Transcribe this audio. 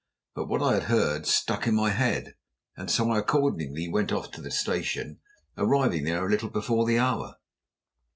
But what I had heard stuck in my head, and so I accordingly went off to the station, arriving there a little before the hour.